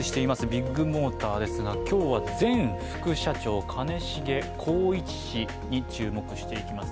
ビッグモーターですが今日は前副社長、兼重宏一氏に注目していきます。